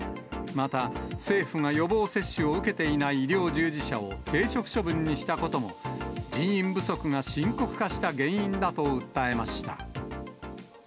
また、政府が予防接種を受けていない医療従事者を停職処分にしたことも、人員不足が深刻化した原因だと訴えました。